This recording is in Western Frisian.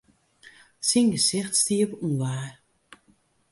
Syn gesicht stie op ûnwaar.